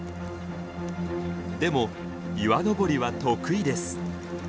でも岩登りは得意です。